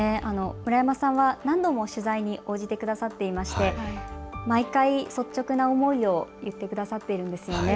村山さんは何度も取材に応じてくださっていまして毎回率直な思いを言ってくださっているんですよね。